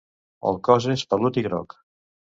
El cos és 'pelut' i groc.